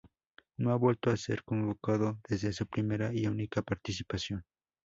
No ha vuelto a ser convocado desde su primera y única participación.